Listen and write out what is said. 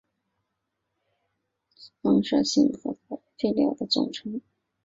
低放射性废物之外所有放射性核废料的总称。